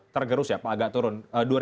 tergerus ya pak agak turun